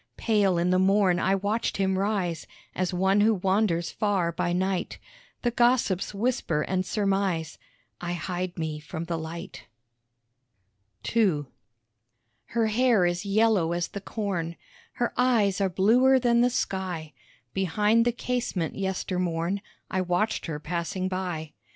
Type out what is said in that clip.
Pale in the morn I watch him rise, As one who wanders far by night. The gossips whisper and surmise I hide me from the light. II Her hair is yellow as the corn, Her eyes are bluer than the sky; Behind the casement yester morn, I watched her passing by.